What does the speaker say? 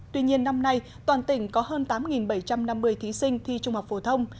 tuy nhiên năm nay toàn tỉnh có hơn tám bảy trăm năm mươi thí sinh thi trung học phổ thông